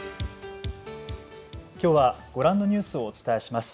きょうはご覧のニュースをお伝えします。